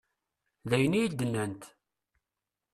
D ayen i yi-d-nnant.